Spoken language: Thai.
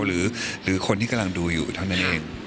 หรือคนที่กำลังดูอยู่เท่านั้นเอง